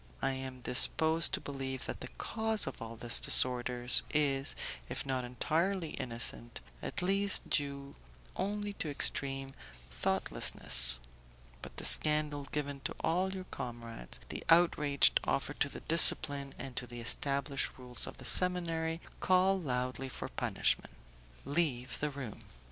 I am disposed to believe that the cause of all this disorder is, if not entirely innocent, at least due only to extreme thoughtlessness; but the scandal given to all your comrades, the outrage offered to the discipline and to the established rules of the seminary, call loudly for punishment. Leave the room."